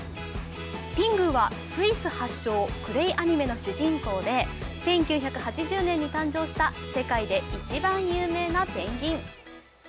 ピングーはスイス発祥、クレイアニメの主人公で１９８０年に誕生した世界で一番有名なペンギン。